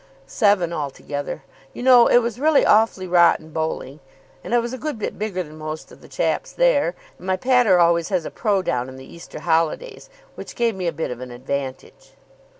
"Seven altogether. You know, it was really awfully rotten bowling. And I was a good bit bigger than most of the chaps there. And my pater always has a pro. down in the Easter holidays, which gave me a bit of an advantage."